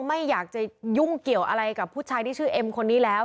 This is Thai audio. ไม่อยากจะยุ่งเกี่ยวอะไรกับผู้ชายที่ชื่อเอ็มคนนี้แล้ว